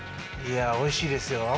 いや、おいしいですよ。